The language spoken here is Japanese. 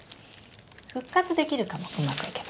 復活できるかもうまくいけば。